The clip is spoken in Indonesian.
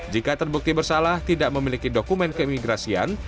jika terbukti bersalah tidak memiliki dokumen keimigrasian